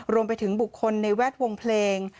รวมไปถึงบุคคลในแวดวงเพลง